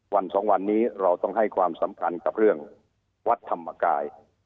สองวันนี้เราต้องให้ความสำคัญกับเรื่องวัดธรรมกาย